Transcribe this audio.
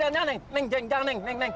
saya lompat dari jendela ini pak